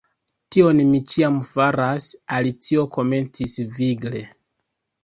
"Tion mi ĉiam faras," Alicio komencis vigle.